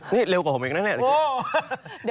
นี่เร็วกว่าผมเองนะเนี่ย